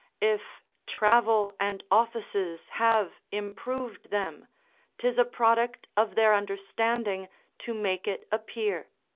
If travel and offices have improved them, 'tis a product of their understanding to make it appear.